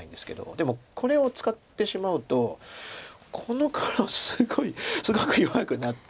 でもこれを使ってしまうとこの黒すごいすごく弱くなって。